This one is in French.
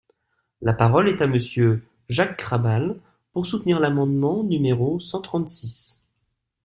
La parole est à Monsieur Jacques Krabal, pour soutenir l’amendement numéro cent trente-six.